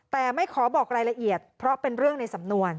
แต่ไม่ขอบอกรายละเอียดเพราะเป็นเรื่องในสำนวน